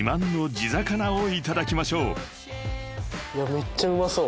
めっちゃうまそう。